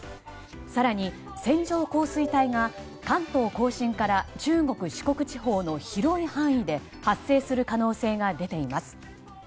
更に、線状降水帯が関東・甲信から中国・四国地方の広い範囲で発生する可能性が出ています。